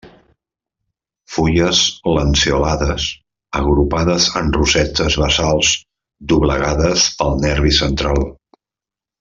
Fulles lanceolades, agrupades en rosetes basals doblegades pel nervi central.